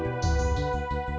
tidak bisa diandalkan